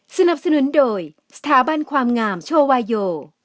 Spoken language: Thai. สนับสนุนโดยสถาบันความงามโชวาโย